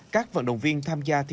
các vận động viên tham gia thi